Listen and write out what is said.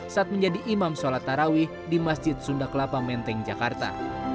saat menjadi imam sholat tarawih di masjid sunda kelapa menteng jakarta